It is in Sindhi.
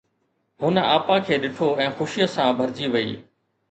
هن آپا کي ڏٺو ۽ خوشيءَ سان ڀرجي وئي.